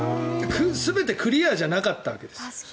全てクリアじゃなかったわけです。